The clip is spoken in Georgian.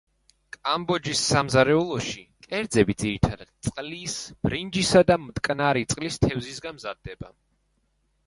კამბოჯის სამზარეულოში კერძები ძირითადად წყლის, ბრინჯისა და მტკნარი წყლის თევზისგან მზადდება.